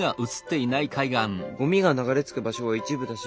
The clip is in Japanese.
ゴミが流れ着く場所は一部だし